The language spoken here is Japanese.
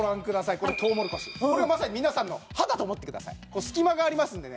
これとうもろこしこれをまさに皆さんの歯だと思ってください隙間がありますんでね